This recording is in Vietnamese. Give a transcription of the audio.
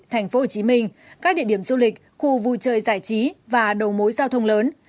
thành phố hồ chí minh các địa điểm du lịch khu vui chơi giải trí và đầu mối giao thông lớn